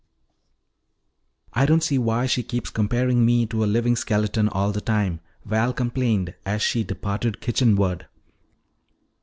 "I don't see why she keeps comparing me to a living skeleton all the time," Val complained as she departed kitchenward.